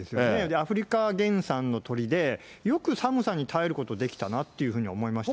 アフリカ原産の鳥で、よく寒さに耐えることできたなっていうふうに思いましたね。